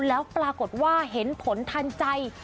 แล้วปรากฏว่าเห็นผลทันใจ